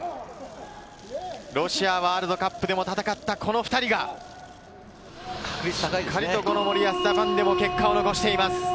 ロシアワールドカップでも戦ったこの２人が、しっかりと森保ＪＡＰＡＮでも結果を残しています。